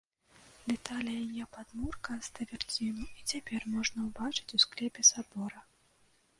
Дэталі яе падмурка з траверціну і цяпер можна ўбачыць у склепе сабора.